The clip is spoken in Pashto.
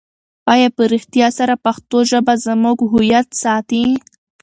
آیا په رښتیا سره پښتو ژبه زموږ هویت ساتي؟